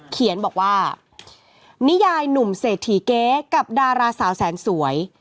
เขียนบอกว่านิยายหนุ่มเศรษฐีเก๊กับดาราสาวแสนสวย